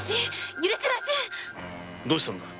どうしたんだ？